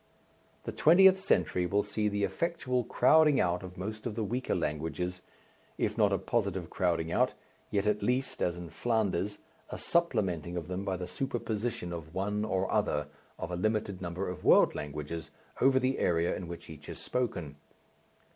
The Twentieth Century will see the effectual crowding out of most of the weaker languages if not a positive crowding out, yet at least (as in Flanders) a supplementing of them by the superposition of one or other of a limited number of world languages over the area in which each is spoken.